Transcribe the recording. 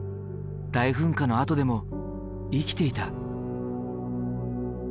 大噴火のあとでも生きていた。